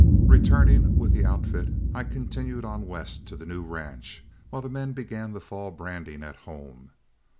Returning with the outfit, I continued on west to the new ranch, while the men began the fall branding at home.